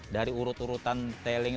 dari urutan urutan teling